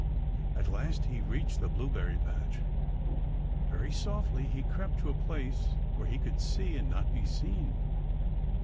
At last he reached the blueberry patch. Very softly he crept to a place where he could see and not be seen.